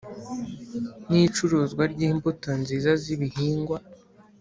N’ icuruzwa ry’imbuto nziza z’ibihingwa